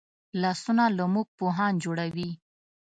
لاسونه له موږ پوهان جوړوي